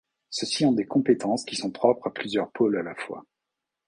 Ceux-ci ont des compétences qui sont propres à plusieurs pôles à la fois.